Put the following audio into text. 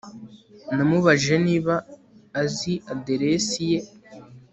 namubajije niba azi aderesi ye